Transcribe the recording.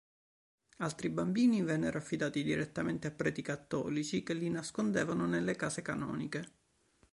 Altri bambini vennero affidati direttamente a preti cattolici che li nascondevano nelle case canoniche.